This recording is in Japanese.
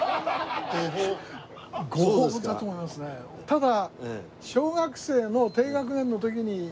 ただ。